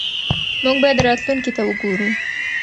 موږ باید راتلونکي ته وګورو.